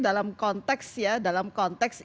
dalam konteks ya dalam konteks